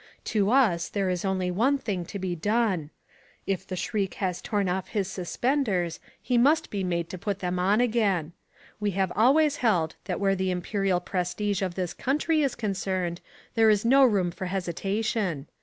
To us there is only one thing to be done. If the Shriek has torn off his suspenders he must be made to put them on again. We have always held that where the imperial prestige of this country is concerned there is no room for hesitation.